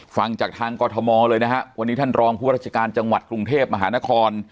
ฟังจากทางกรทมเลยนะฮะวันนี้ท่านรองผู้ราชการจังหวัดกรุงเทพมหานคร